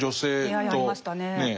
出会いありましたね。